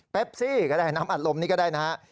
เปปซี่ก็ได้น้ำอัดลมนี้ก็ได้นะครับ